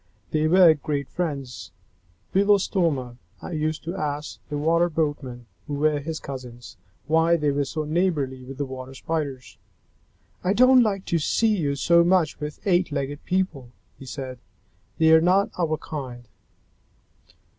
They were great friends. Belostoma used to ask the Water Boatmen, who were his cousins, why they were so neighborly with the Water Spiders. "I don't like to see you so much with eight legged people," he said. "They are not our kind."